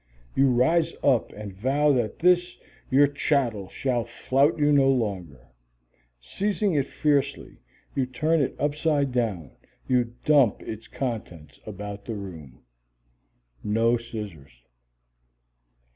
You rise up and vow that this your chattel shall flout you no longer. Seizing it fiercely, you turn it upside down you dump its contents about the room. No scissors!